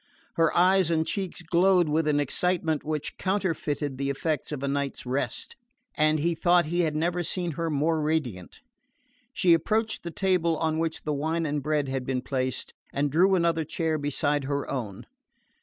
Her eyes and cheeks glowed with an excitement which counterfeited the effects of a night's rest, and he thought he had never seen her more radiant. She approached the table on which the wine and bread had been placed, and drew another chair beside her own.